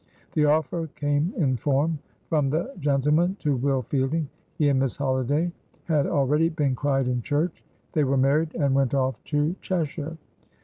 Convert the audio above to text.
The offer came in form from the gentleman to Will Fielding. He and Miss Holiday had already been cried in church. They were married, and went off to Cheshire.